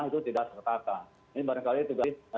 itu tidak tertata ini barangkali tugas